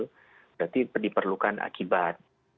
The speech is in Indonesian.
berarti diperlukan akibat